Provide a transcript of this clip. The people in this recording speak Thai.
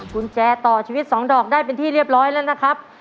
กุญแจต่อชีวิต๒ดอกได้เป็นที่เรียบร้อยแล้วนะครับ